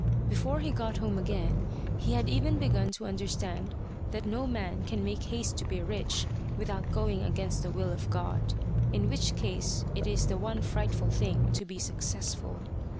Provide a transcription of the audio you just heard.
Before he got home again, he had even begun to understand that no man can make haste to be rich without going against the will of God, in which case it is the one frightful thing to be successful.